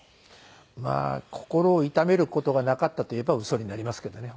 まあ心を痛める事がなかったといえばウソになりますけどね。